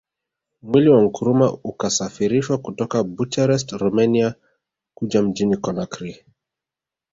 Mwili wa Nkrumah ukasafirishwa kutoka Bucharest Romania Kuja mjini Conakry